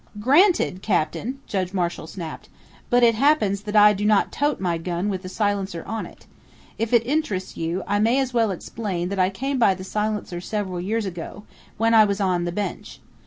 "Granted, Captain!" Judge Marshall snapped. "But it happens that I do not 'tote' my gun with the silencer on it. If it interests you, I may as well explain that I came by the silencer several years ago, when I was on the bench.